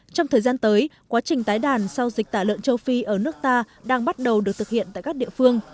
trong thời gian tới quá trình tái đàn sau dịch tả lợn châu phi ở nước ta đang bắt đầu